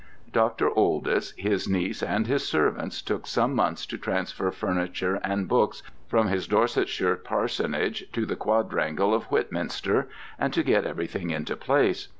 Dr. Oldys, his niece, and his servants took some months to transfer furniture and books from his Dorsetshire parsonage to the quadrangle of Whitminster, and to get everything into place.